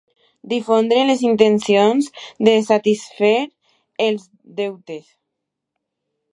Difondre les intencions de satisfer els deutes.